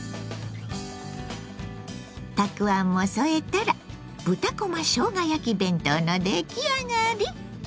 たくあんも添えたら豚こましょうが焼き弁当の出来上がり！